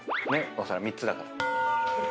お皿３つだから。